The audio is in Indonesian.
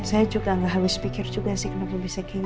ini saya juga enggak habis pikir juga sih kenapa bisa kayak gini